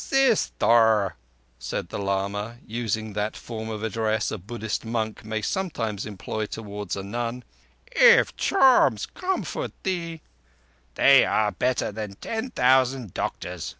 "Sister," said the lama, using that form of address a Buddhist monk may sometimes employ towards a nun, "if charms comfort thee—" "They are better than ten thousand doctors."